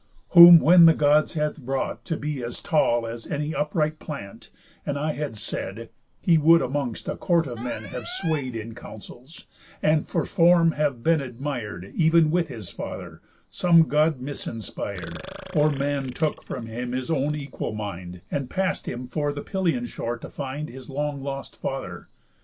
Whom when the Gods had brought to be as tall As any upright plant, and I had said, He would amongst a court of men have sway'd In counsels, and for form have been admir'd Ev'n with his father, some God misinspir'd, Or man took from him his own equal mind, And pass'd him for the Pylian shore to find His long lost father.